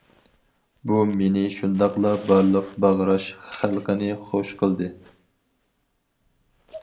بۇ مېنى شۇنداقلا بارلىق باغراش خەلقىنى خۇش قىلدى.